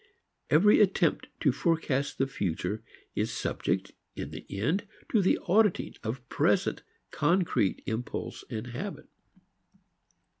Every attempt to forecast the future is subject in the end to the auditing of present concrete impulse and habit.